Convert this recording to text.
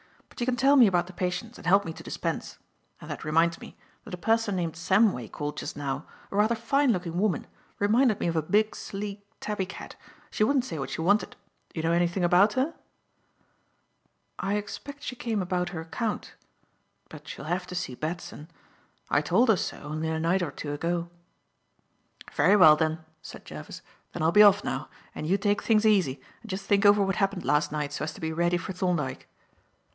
But you can tell me about the patients and help me to dispense. And that reminds me that a person named Samway called just now, a rather fine looking woman reminded me of a big, sleek tabby cat. She wouldn't say what she wanted. Do you know anything about her?" "I expect she came about her account. But she'll have to see Batson. I told her so, only a night or two ago." "Very well," said Jervis, "then I'll be off now, and you take things easy and just think over what happened last night, so as to be ready for Thorndyke."